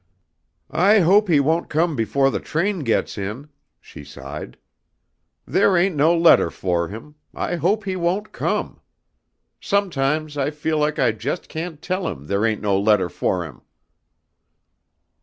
"I hope he won't come before the train gets in," she sighed. "There ain't no letter for him, I hope he won't come. Sometimes I feel like I just can't tell him there ain't no letter for him."